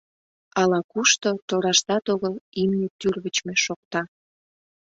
Ала-кушто, тораштат огыл, имне тӱрвычмӧ шокта.